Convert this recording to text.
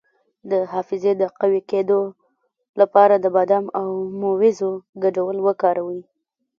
د حافظې د قوي کیدو لپاره د بادام او مویزو ګډول وکاروئ